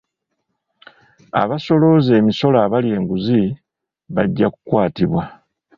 Abasolooza emisolo abalya enguzi bajja kukwatibwa.